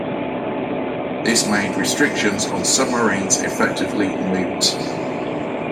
This made restrictions on submarines effectively moot.